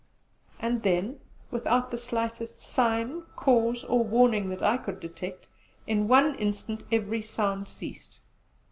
And then, without the slightest sign cause or warning that I could detect, in one instant every sound ceased.